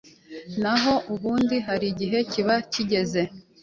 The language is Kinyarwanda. Naho ubundi hari igihe kiba kigeze